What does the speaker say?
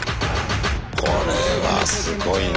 これはすごいね。